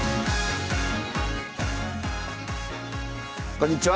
こんにちは。